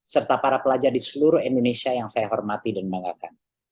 serta para pelajar di seluruh indonesia yang saya hormati dan banggakan